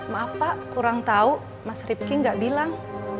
maaf pak kurang tahu mas ripki gak bilang